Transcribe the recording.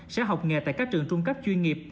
sẽ học nghề tại các trường trung cấp chuyên nghiệp